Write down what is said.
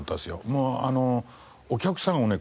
もうお客さんをね